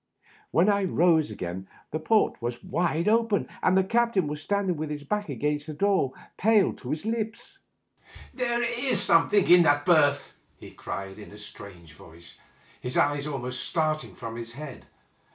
When I rose again the port was wide open, and the captain was standing with his back against the door, pale to the lips. " There is something in that berth 1 " he cried, in a Btrange voice, his eyes almost starting from his head.